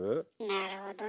なるほどね。